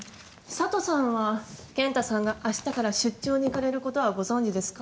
佐都さんは健太さんがあしたから出張に行かれることはご存じですか？